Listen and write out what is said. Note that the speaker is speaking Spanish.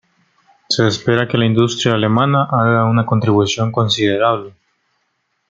Se espera que la industria alemana haga una contribución considerable.